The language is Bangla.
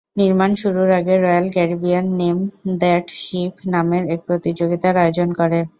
নির্মাণ শুরুর আগে Royal Caribbean ‘name that ship’ নামের এক প্রতিযোগিতার আয়োজন করে।